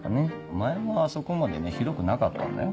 前はあそこまでねひどくなかったんだよ。